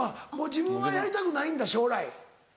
自分はやりたくないんだ将来。